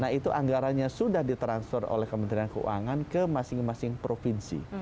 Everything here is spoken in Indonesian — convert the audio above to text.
nah itu anggarannya sudah ditransfer oleh kementerian keuangan ke masing masing provinsi